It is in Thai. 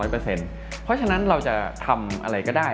เพราะฉะนั้นเราจะทำอะไรก็ได้